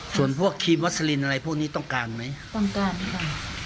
ส่วนพวกครีมวัสลินอะไรพวกนี้ต้องการไหมต้องการค่ะ